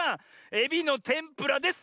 エビのてんぷらです。